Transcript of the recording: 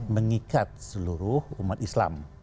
mengikat seluruh umat islam